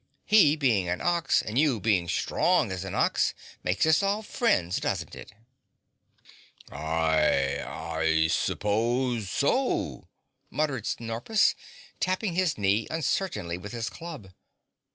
"He, being an ox, and you being strong as an ox, makes us all friends, doesn't it?" "I I suppose so," muttered Snorpus, tapping his knee uncertainly with his club.